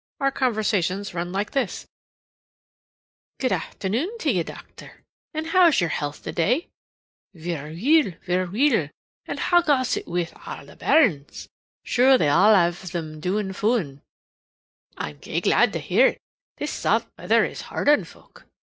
Our conversations run like this: "Good afthernoon to ye, docther. An' how's yer health the day?" "Verra weel, verra weel. And how gas it wi' a' the bairns?" "Shure, they're all av thim doin' foin." "I'm gey glad to hear it. This saft weather is hard on folk.